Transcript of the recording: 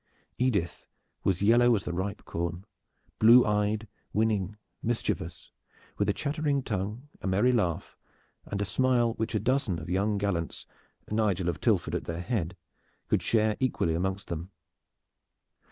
Edith was yellow as the ripe corn, blue eyed, winning, mischievous, with a chattering tongue, a merry laugh, and a smile which a dozen of young gallants, Nigel of Tilford at their head, could share equally amongst them.